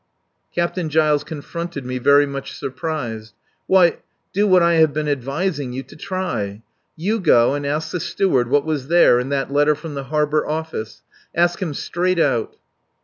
Captain Giles confronted me very much surprised. "Why! Do what I have been advising you to try. You go and ask the Steward what was there in that letter from the Harbour Office. Ask him straight out."